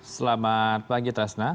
selamat pagi tresno